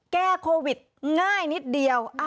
แก้โควิดง่ายนิดเดียว